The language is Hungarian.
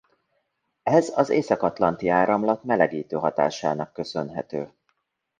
Ez az Észak-atlanti-áramlat melegítő hatásának köszönhető.